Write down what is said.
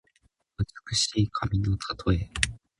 美しい髪のたとえ。